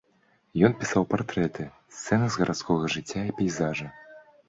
Ён пісаў партрэты, сцэны з гарадскога жыцця і пейзажы.